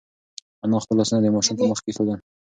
انا خپل لاسونه د ماشوم په مخ کېښودل.